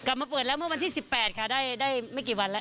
มามาปืนแล้วเมื่อวันที่สิบแปดค่ะได้ไม่กี่วันแล้ว